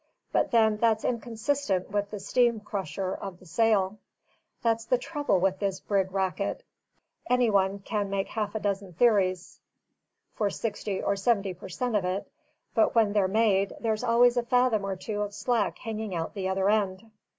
But then that's inconsistent with the steam crusher of the sale. That's the trouble with this brig racket; any one can make half a dozen theories for sixty or seventy per cent of it; but when they're made, there's always a fathom or two of slack hanging out of the other end."